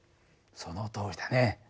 そのとおりだね。